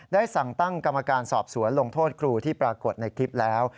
ได้สั่งตั้งกรรมการสอบสวนลงโทษครูที่ปรากฏในคลิปแล้ว